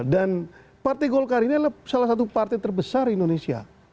partai golkar ini adalah salah satu partai terbesar di indonesia